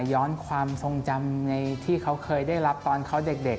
ย้อนความทรงจำที่เขาเคยได้รับตอนเขาเด็ก